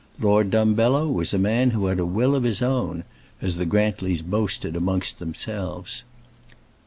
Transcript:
Lord Dumbello was a man who had a will of his own, as the Grantlys boasted amongst themselves.